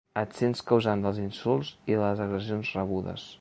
Et sents causant dels insults i de les agressions rebudes.